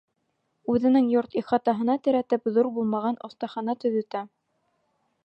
Үҙенең йорт ихатаһына терәтеп ҙур булмаған оҫтахана төҙөтә.